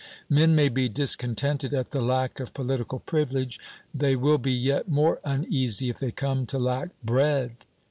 Men may be discontented at the lack of political privilege; they will be yet more uneasy if they come to lack bread.